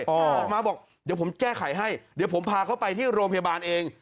ออกมาบอกเดี๋ยวผมแก้ไขให้เดี๋ยวผมพาเขาไปที่โรงพยาบาลเอง